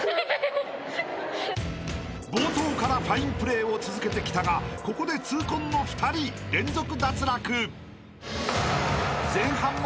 ［冒頭からファインプレーを続けてきたがここで痛恨の２人連続脱落］